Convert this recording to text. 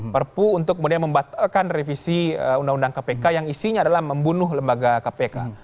perpu untuk kemudian membatalkan revisi undang undang kpk yang isinya adalah membunuh lembaga kpk